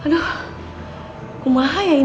tante nurul aku mau nungguin